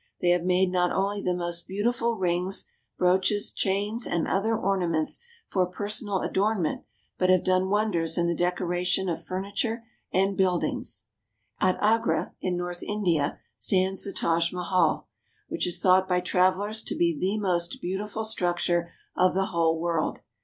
They have made not only the most beautiful rings, brooches, chains, and other ornaments for personal adornment, but have done wonders in the decoration of furniture and buildings. At 2/4 THE STORES AND TRADES OF INDIA Agra, in north India, stands the Taj Mahal, which is thought by travelers to be the most beautiful structure of the whole world.